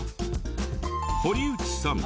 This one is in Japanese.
堀内さん